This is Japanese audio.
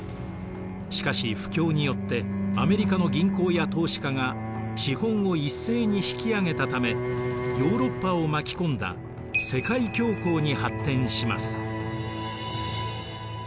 しかし不況によってアメリカの銀行や投資家が資本を一斉に引きあげたためヨーロッパを巻き込んだ世界恐慌に発展します。